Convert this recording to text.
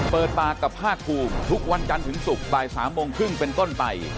เปิดปากกับภาคภูมิทุกวันจันทร์ถึงศุกร์บ่าย๓โมงครึ่งเป็นต้นไป